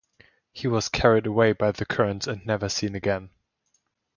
He was carried away by the current and never seen again.